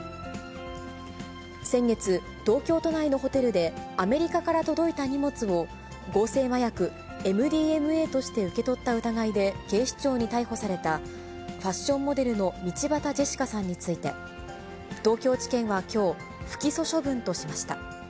先月、東京都内のホテルで、アメリカから届いた荷物を、合成麻薬ＭＤＭＡとして受け取った疑いで警視庁に逮捕されたファッションモデルの道端ジェシカさんについて、東京地検はきょう、不起訴処分としました。